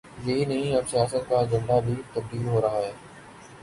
یہی نہیں، اب سیاست کا ایجنڈا بھی تبدیل ہو رہا ہے۔